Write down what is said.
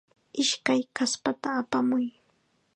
Ishkay kaspata apamuy.